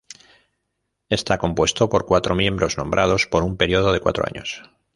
Está compuesto por cuatro miembros nombrados por un periodo de cuatro años.